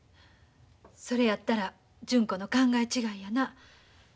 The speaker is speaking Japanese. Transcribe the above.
それやったら純子の考え違いやな。